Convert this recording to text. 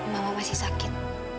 mama masih sakit